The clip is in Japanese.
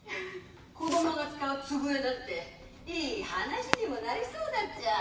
子供が使う机なんていい話にもなりそうだっちゃ。